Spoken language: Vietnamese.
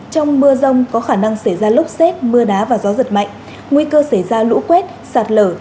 trong mưa rông có khả năng xảy ra lốc xét mưa đá và gió giật mạnh nguy cơ xảy ra lũ quét sạt lở